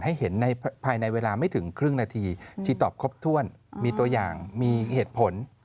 ให้เห็นในภายในเวลาไม่ถึงครึ่งนาทีชีตอบครบถ้วนมีตัวอย่างมีเหตุผล